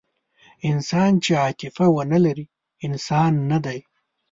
انسان چې عاطفه ونهلري، انسان نهدی.